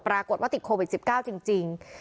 ปรากฏว่าติดโควิด๑๙จริง